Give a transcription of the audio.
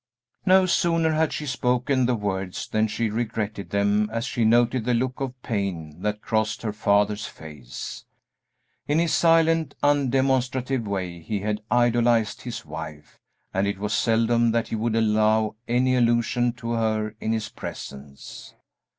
No sooner had she spoken the words than she regretted them as she noted the look of pain that crossed her father's face. In his silent, undemonstrative way he had idolized his wife, and it was seldom that he would allow any allusion to her in his presence.